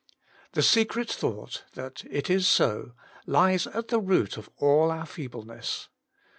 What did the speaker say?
The secret thought tnat it is so lies at the root of all our feebleness.